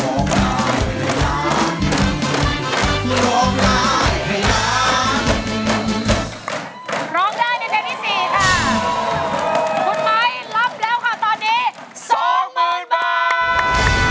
ร้องได้ให้ล้านที่๔ค่ะคุณไม้รับแล้วค่ะตอนนี้สองหมื่นบาท